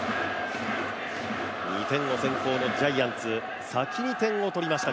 ２点を先行のジャイアンツ先に点を取りました